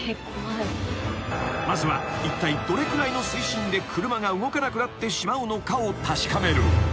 ［まずはいったいどれくらいの水深で車が動かなくなってしまうのかを確かめる］